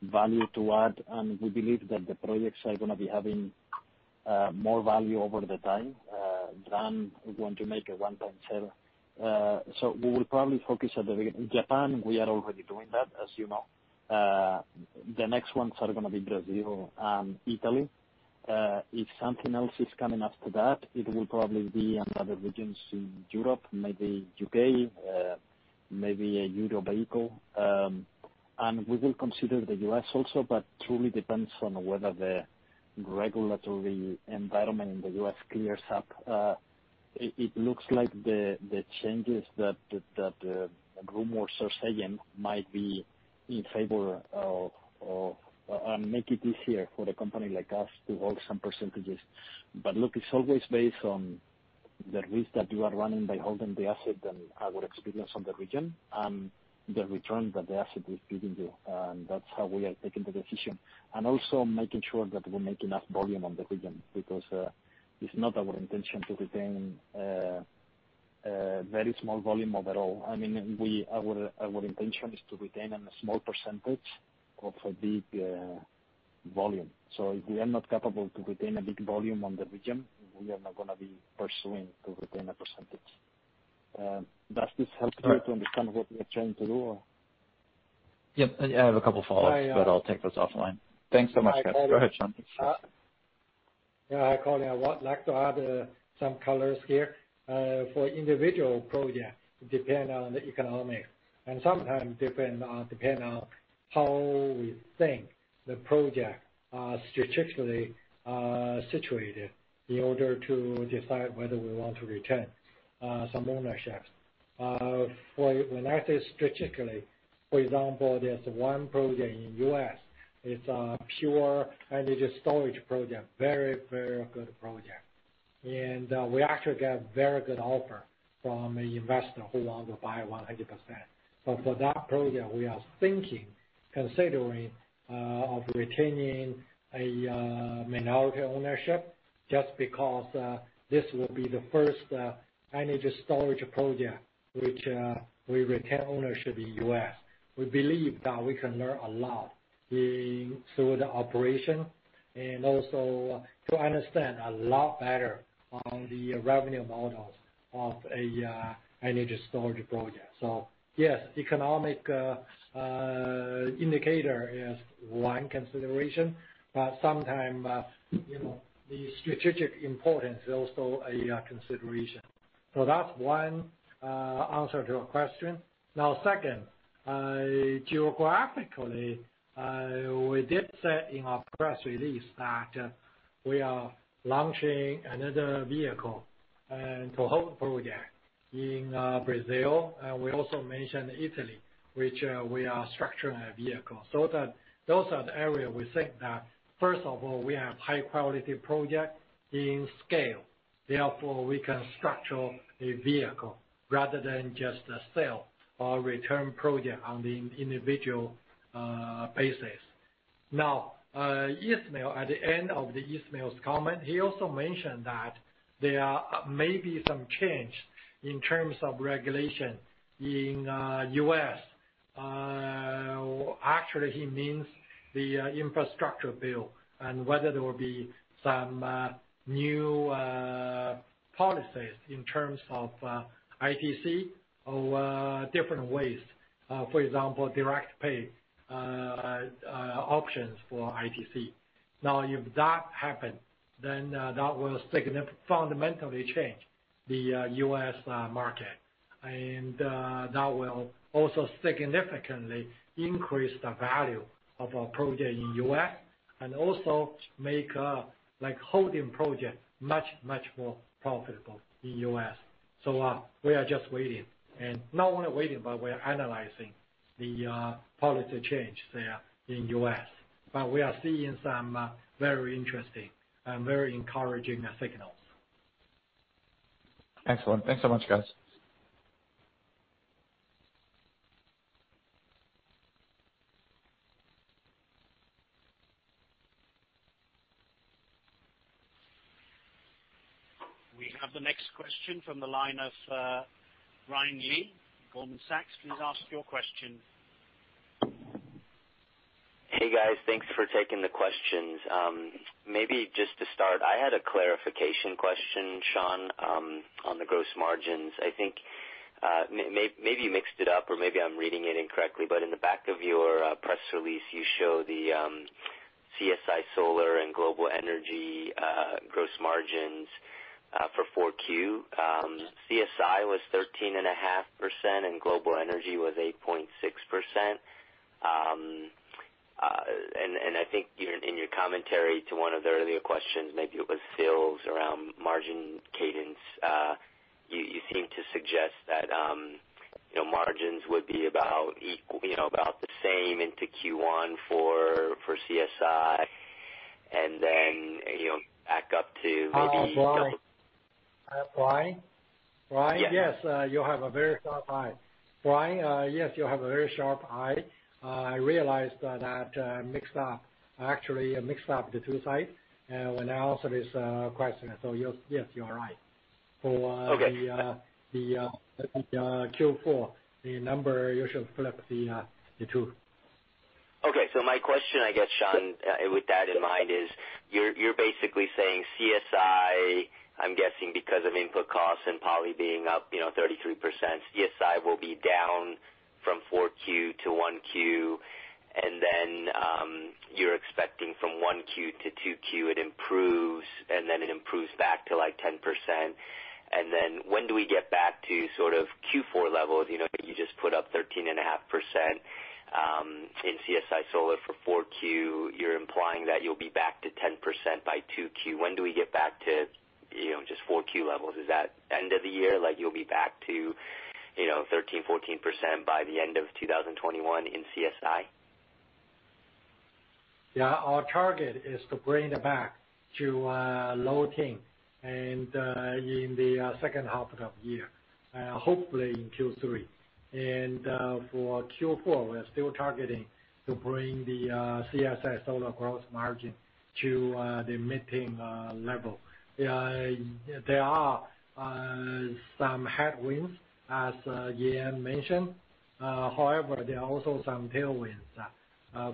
E: value to add. And we believe that the projects are going to be having more value over the time than we're going to make a one-time sale. So we will probably focus at the beginning. Japan, we are already doing that, as you know. The next ones are going to be Brazil and Italy. If something else is coming after that, it will probably be another region in Europe, maybe U.K., maybe a Euro vehicle. And we will consider the U.S. also, but it truly depends on whether the regulatory environment in the U.S. clears up. It looks like the changes that the rumors are saying might be in favor of making it easier for a company like us to hold some percentages. But look, it's always based on the risk that you are running by holding the asset and our experience on the region and the return that the asset is giving you. And that's how we are taking the decision. And also making sure that we make enough volume on the region because it's not our intention to retain a very small volume overall. I mean, our intention is to retain a small percentage of a big volume. So if we are not capable to retain a big volume on the region, we are not going to be pursuing to retain a percentage. Does this help you to understand what we are trying to do?
I: Yep. I have a couple of follow-ups, but I'll take those offline. Thanks so much, guys. Go ahead, Shawn.
C: Yeah. I call it I would like to add some colors here for individual projects depending on the economics. And sometimes depending on how we think the projects are strategically situated in order to decide whether we want to retain some ownership. When I say strategically, for example, there's one project in the U.S.. It's a pure energy storage project, very, very good project. And we actually got a very good offer from an investor who wanted to buy 100%. But for that project, we are thinking, considering retaining a minority ownership just because this will be the first energy storage project which we retain ownership in the U.S.. We believe that we can learn a lot through the operation and also to understand a lot better on the revenue models of an energy storage project. So yes, economic indicator is one consideration, but sometimes the strategic importance is also a consideration. So that's one answer to your question. Now, second, geographically, we did say in our press release that we are launching another vehicle to hold project in Brazil. And we also mentioned Italy, which we are structuring a vehicle. So those are the areas we think that, first of all, we have high-quality projects in scale. Therefore, we can structure a vehicle rather than just a sale or return project on the individual basis. Now, Ismael, at the end of Ismael's comment, he also mentioned that there may be some change in terms of regulation in the US. Actually, he means the infrastructure bill and whether there will be some new policies in terms of ITC or different ways, for example, direct pay options for ITC. Now, if that happens, then that will fundamentally change the U.S. market. And that will also significantly increase the value of our project in the U.S. and also make holding projects much, much more profitable in the U.S.. So we are just waiting. And not only waiting, but we are analyzing the policy change there in the U.S.. But we are seeing some very interesting and very encouraging signals.
I: Excellent. Thanks so much, guys.
A: We have the next question from the line of Ryan Lee, Goldman Sachs. Please ask your question.
J: Hey, guys. Thanks for taking the questions. Maybe just to start, I had a clarification question, Shawn, on the gross margins. I think maybe you mixed it up or maybe I'm reading it incorrectly, but in the back of your press release, you show the CSI Solar and Global Energy gross margins for 4Q. CSI was 13.5% and Global Energy was 8.6%. And I think in your commentary to one of the earlier questions, maybe it was sales around margin cadence, you seem to suggest that margins would be about the same into Q1 for CSI and then back up to maybe double.
C: Ryan. Ryan, yes, you have a very sharp eye. Ryan, yes, you have a very sharp eye. I realized that I mixed up, actually mixed up the two sides when I answered this question. So yes, you are right. For the Q4, the number, you should flip the two.
J: Okay. So my question, I guess, Shawn, with that in mind, is you're basically saying CSI, I'm guessing because of input costs and poly being up 33%, CSI will be down from 4Q to 1Q. And then you're expecting from 1Q to 2Q it improves, and then it improves back to like 10%. And then when do we get back to sort of Q4 levels? You just put up 13.5% in CSI Solar for 4Q. You're implying that you'll be back to 10% by 2Q. When do we get back to just 4Q levels? Is that end of the year? You'll be back to 13-14 percent by the end of 2021 in CSI?
C: Yeah. Our target is to bring it back to low teen in the second half of the year, hopefully in Q3. And for Q4, we're still targeting to bring the CSI Solar gross margin to the mid-teen level. There are some headwinds as Yan mentioned. However, there are also some tailwinds.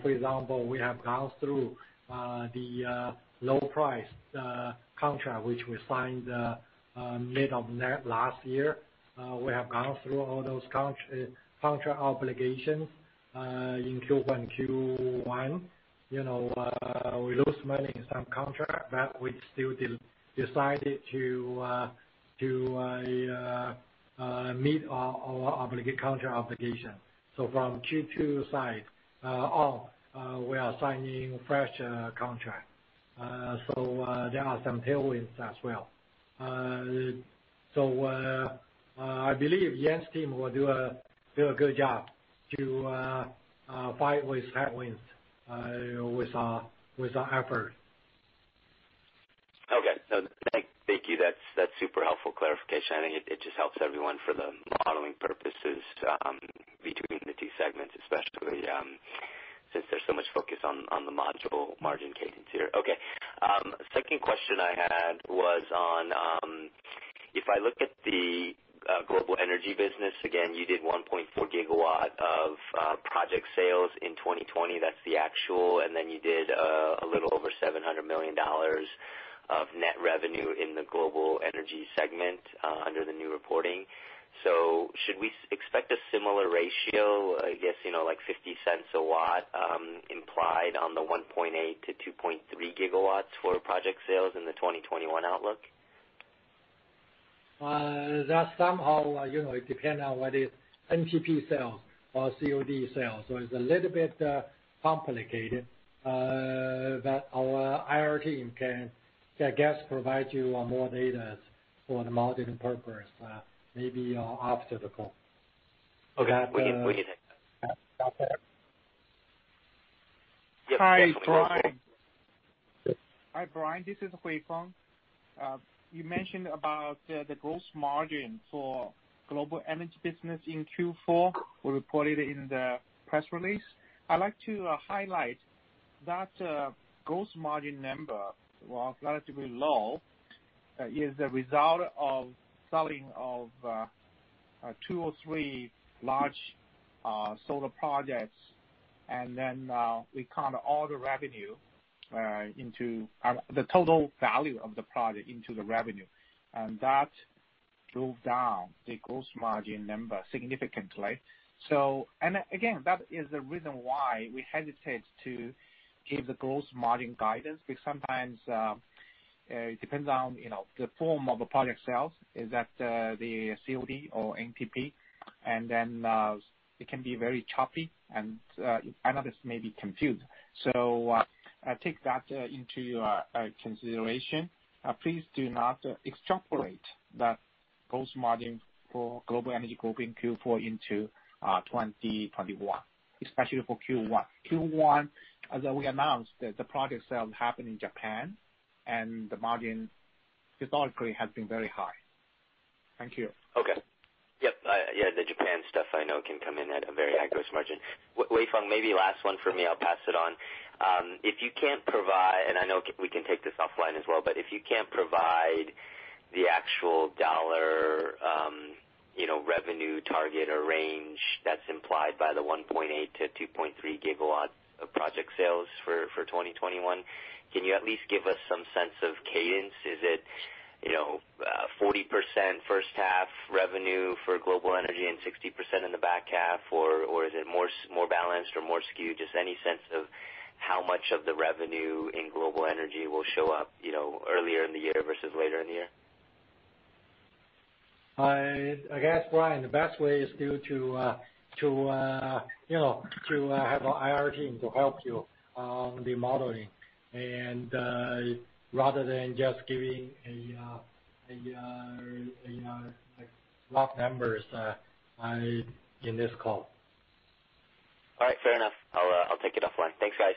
C: For example, we have gone through the low-price contract which we signed mid of last year. We have gone through all those contract obligations in Q1, Q1. We lost money in some contracts, but we still decided to meet our contract obligations. So from Q2 side on, we are signing fresh contracts. So there are some tailwinds as well. So I believe Yan's team will do a good job to fight with headwinds with our effort.
J: Okay. Thank you. That's super helpful clarification. I think it just helps everyone for the modeling purposes between the two segments, especially since there's so much focus on the module margin cadence here. Okay. Second question I had was on if I look at the global energy business, again, you did 1.4 GW of project sales in 2020. That's the actual. And then you did a little over $700 million of net revenue in the global energy segment under the new reporting. So should we expect a similar ratio, I guess, like $0.50 a watt implied on the 1.8-2.3 GW for project sales in the 2021 outlook?
C: That somehow depends on whether it's NTP sales or COD sales. It's a little bit complicated. But our IR team can provide you more data for the modeling purpose, maybe after the call.
J: Okay. We can take that.
F: Hi, Brian. This is Huifeng. You mentioned about the gross margin for global energy business in Q4. We reported it in the press release. I'd like to highlight that gross margin number was relatively low. It is the result of selling of two or three large solar projects. We count all the revenue into the total value of the project into the revenue. That drove down the gross margin number significantly. Again, that is the reason why we hesitate to give the gross margin guidance because sometimes it depends on the form of a project sales, is that the COD or NTP, and then it can be very choppy and analysts may be confused. So take that into consideration. Please do not extrapolate that gross margin for global energy group in Q4 into 2021, especially for Q1. Q1, as we announced, the project sales happened in Japan, and the margin historically has been very high. Thank you.
J: Okay. Yep. Yeah. The Japan stuff I know can come in at a very high gross margin. Huifeng, maybe last one for me. I'll pass it on. If you can't provide—and I know we can take this offline as well—but if you can't provide the actual dollar revenue target or range that's implied by the 1.8 GW-2.3 GW project sales for 2021, can you at least give us some sense of cadence? Is it 40% first half revenue for global energy and 60% in the back half, or is it more balanced or more skewed? Just any sense of how much of the revenue in global energy will show up earlier in the year versus later in the year?
C: I guess, Brian, the best way is due to have our IR team to help you on the modeling rather than just giving a rough numbers in this call.
J: All right. Fair enough. I'll take it offline. Thanks, guys.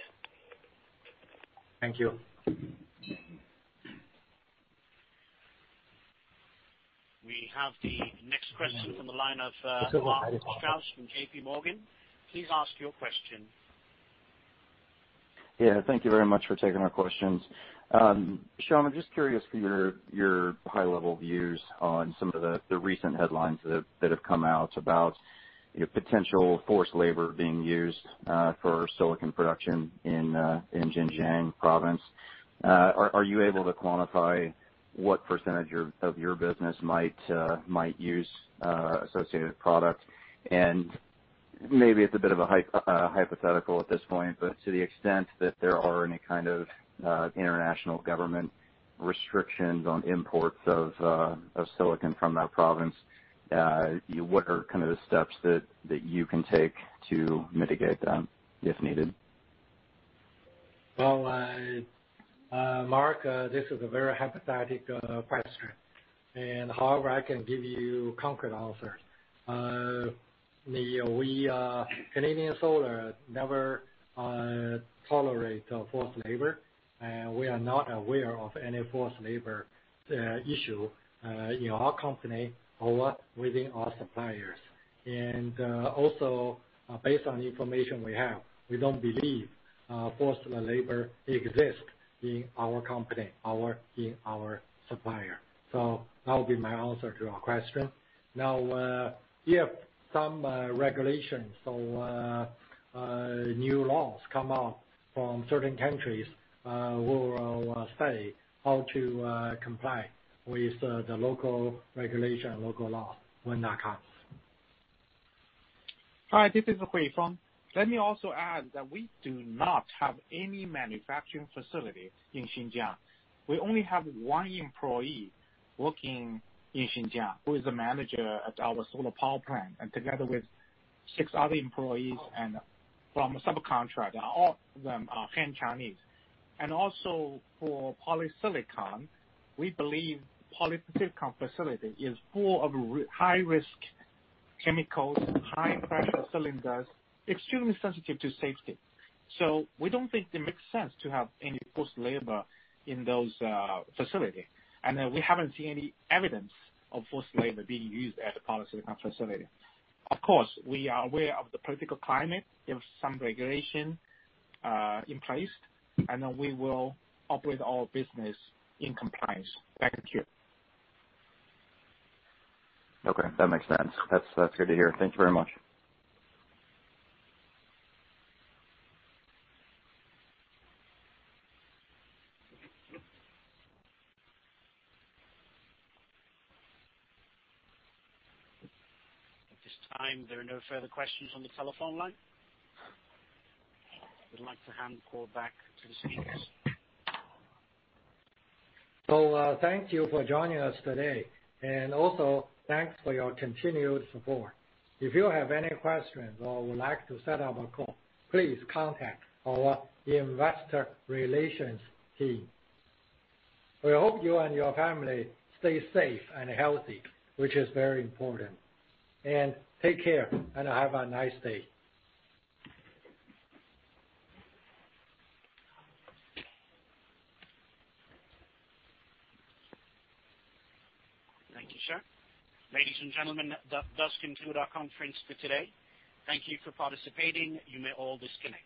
C: Thank you.
A: We have the next question from the line of from JPMorgan. Please ask your question.
K: Yeah. Thank you very much for taking our questions. Shawn, I'm just curious for your high-level views on some of the recent headlines that have come out about potential forced labor being used for silicon production in Xinjiang Province. Are you able to quantify what percentage of your business might use associated product? And maybe it's a bit of a hypothetical at this point, but to the extent that there are any kind of international government restrictions on imports of silicon from that province, what are kind of the steps that you can take to mitigate them if needed?
C: Well, Mark, this is a very hypothetical question. And however I can give you concrete answers. The Canadian Solar never tolerates forced labor. And we are not aware of any forced labor issue in our company or within our suppliers. And also, based on the information we have, we don't believe forced labor exists in our company, in our supplier. So that would be my answer to your question. Now, if some regulations or new laws come out from certain countries, we will say how to comply with the local regulation and local law when that comes.
F: Hi, this is Huifeng. Let me also add that we do not have any manufacturing facility in Xinjiang. We only have one employee working in Xinjiang who is a manager at our solar power plant and together with six other employees from a subcontractor. All of them are Han Chinese. And also, for polysilicon, we believe polysilicon facility is full of high-risk chemicals, high-pressure cylinders, extremely sensitive to safety. So we don't think it makes sense to have any forced labor in those facilities. And we haven't seen any evidence of forced labor being used at the polysilicon facility. Of course, we are aware of the political climate. There's some regulation in place. And then we will operate our business in compliance. Thank you.
K: Okay. That makes sense. That's good to hear. Thank you very much.
A: At this time, there are no further questions on the telephone line. We'd like to hand the call back to the speakers.
C: So thank you for joining us today. And also, thanks for your continued support. If you have any questions or would like to set up a call, please contact our investor relations team. We hope you and your family stay safe and healthy, which is very important. And take care and have a nice day.
A: Thank you, sir. Ladies and gentlemen, that does conclude our conference for today. Thank you for participating. You may all disconnect.